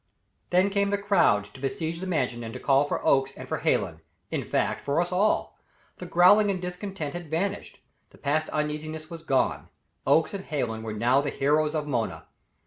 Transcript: Then came the crowd to besiege the Mansion and to call for Oakes, and for Hallen; in fact, for us all. The growling and discontent had vanished; the past uneasiness was gone. Oakes and Hallen were now the heroes of Mona.